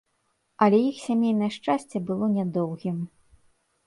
Але іх сямейнае шчасце было нядоўгім.